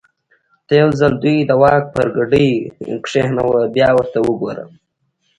ته یو ځل دوی د واک پر ګدۍ کېنوه بیا ورته وګوره.